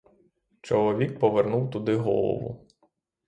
Чоловік повернув туди голову.